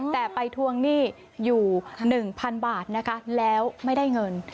แต่ไปทวงหนี้อยู่๑๐๐๐บาทนะคะแล้วไม่ได้เงิน